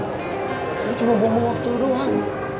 gue cuma bonggol waktu doang